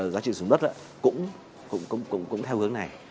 giá trị sử dụng đất cũng cũng cũng cũng cũng theo hướng này